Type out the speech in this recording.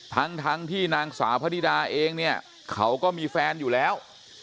ทั้งที่นางสาวพระธิดาเองเนี่ยเขาก็มีแฟนอยู่แล้ว